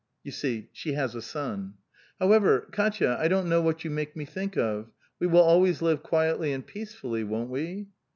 (You see, she has a son.) " However, Kdtya, I don't know what you make me think of. We will always live quietly and peacefully, won't we?"